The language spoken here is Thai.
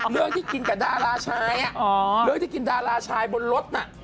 เรื่องที่กินกับดาราชายเรื่องที่กินดาราชายบนรถน่ะ